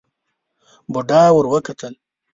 بوډا ور وکتل.